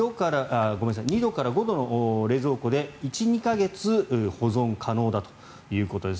２度から５度の冷蔵庫で１２か月保存可能だということです。